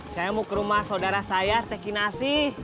saya mau ke rumah saudara saya teki nasi